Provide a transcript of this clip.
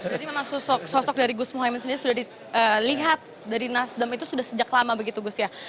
jadi memang sosok dari gus muhaymin sendiri sudah dilihat dari nasdem itu sudah sejak lama begitu gus ya